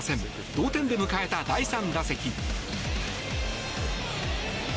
同点で迎えた第３打席。